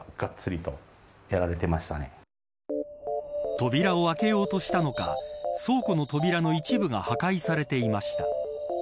扉を開けようとしたのか倉庫の扉の一部が破壊されていました。